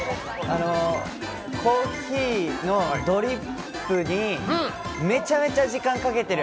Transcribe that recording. コーヒーのドリップにめちゃめちゃ時間かけてる。